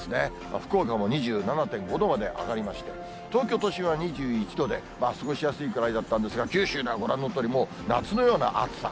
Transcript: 福岡も２７．５度まで上がりまして、東京都心は２１度で、過ごしやすいくらいだったんですが、九州ではご覧のとおり、もう夏のような暑さ。